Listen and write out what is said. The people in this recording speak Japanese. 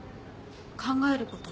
考えること？